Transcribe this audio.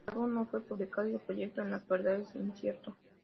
El álbum no fue publicado y el proyecto en la actualidad es incierto.